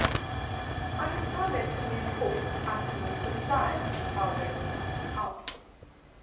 I must now mention the important item of supplies and how they were eked out.